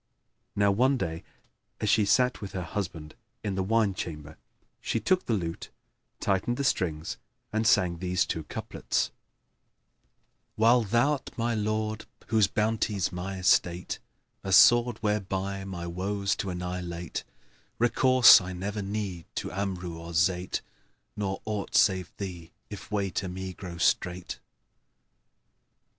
Now one day as she sat with her husband in the wine chamber, she took the lute, tightened the strings, and sang these two couplets, "While thou'rt my lord whose bounty's my estate, * A sword whereby my woes to annihilate, Recourse I never need to Amru or Zayd,[FN#5] * Nor aught save thee if way to me grow strait!"